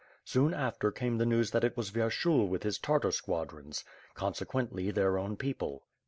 Soon after, came the news that it was Vyershul with his Tartar squadrons, consequently their own people.